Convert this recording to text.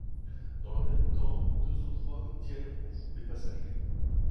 Dans le même temps, deux autres hommes tiennent en joue les passagers.